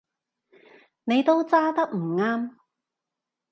你都揸得唔啱